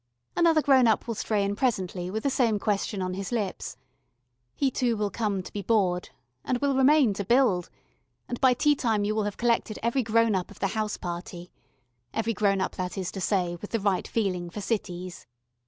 Another grown up will stray in presently with the same question on his lips. He too will come to be bored and will remain to build, and by tea time you will have collected every grown up of the house party every grown up, that is to say, with the right feeling for cities.